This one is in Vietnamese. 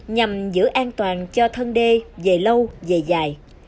nhằm giữ an toàn cho thân đê về lâu dài dài